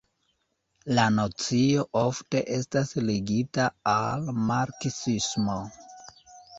La nocio ofte estas ligita al marksismo.